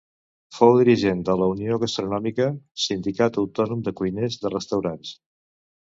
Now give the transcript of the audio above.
Fou dirigent de la Unió Gastronòmica, sindicat autònom de cuiners de restaurants.